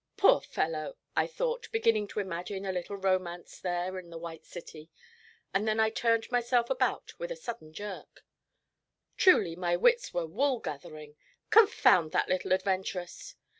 'Poor fellow!' I thought, beginning to imagine a little romance there in the White City; and then I turned myself about with a sudden jerk. Truly, my wits were wool gathering. Confound that little adventuress!